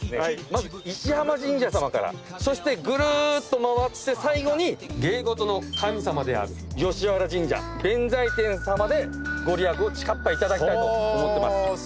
まず石浜神社さまからそしてグルーっと回って最後に芸事の神様である吉原神社弁財天様でご利益をちかっぱ頂きたいと思ってます。